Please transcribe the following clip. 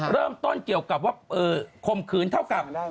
เริ่มต้นเกี่ยวกับว่าคมขืนเท่ากับ